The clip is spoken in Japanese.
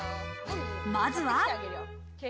まずは。